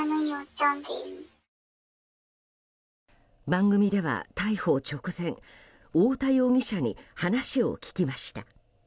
番組では逮捕直前太田容疑者に話を聞きました。